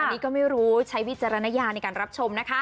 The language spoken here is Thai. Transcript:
อันนี้ก็ไม่รู้ใช้วิจารณญาในการรับชมนะคะ